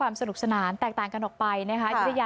รายงานจากบริเวณจังหวัดพระราชาสีอยุธยาค่ะ